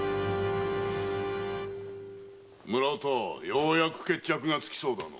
ようやく決着がつきそうだの。